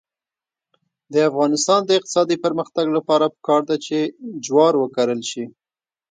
د افغانستان د اقتصادي پرمختګ لپاره پکار ده چې جوار وکرل شي.